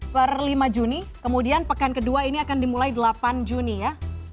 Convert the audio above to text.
per lima juni kemudian pekan kedua ini akan dimulai delapan juni ya